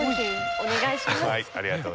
お願いします。